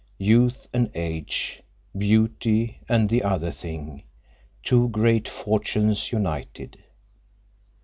Youth and age, beauty and the other thing, two great fortunes united.